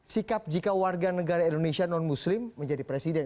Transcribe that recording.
sikap jika warga negara indonesia non muslim menjadi presiden